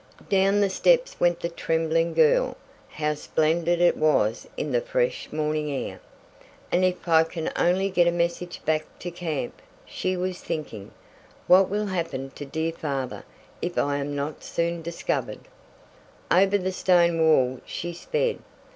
Down the steps went the trembling girl. How splendid it was in the fresh morning air! "And if I can only get a message back to camp," she was thinking. "What will happen to dear father if I am not soon discovered?" Over the stone walk she sped.